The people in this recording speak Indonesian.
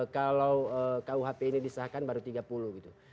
kalau kuhp ini disahkan baru tiga puluh gitu